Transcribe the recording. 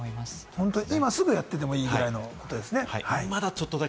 本当に今すぐやってもいいようなことですね。